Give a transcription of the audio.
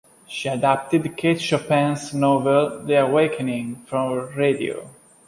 She adapted Kate Chopin’s novel ‘The Awakening’ for radio.